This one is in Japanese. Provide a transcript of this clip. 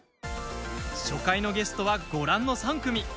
初回のゲストは、ご覧の３組。